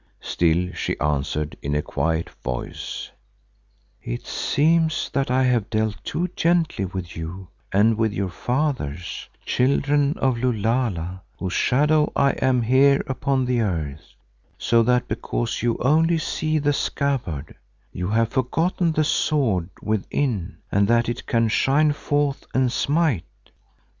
Still she answered in a quiet voice, "It seems that I have dealt too gently with you and with your fathers, Children of Lulala, whose shadow I am here upon the earth, so that because you only see the scabbard, you have forgotten the sword within and that it can shine forth and smite.